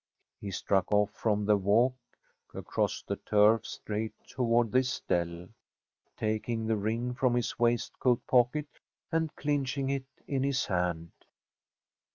He struck off from the walk across the turf straight toward this dell, taking the ring from his waistcoat pocket and clinching it in his hand.